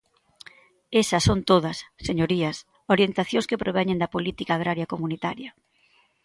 Esas son todas, señorías, orientacións que proveñen da política agraria comunitaria.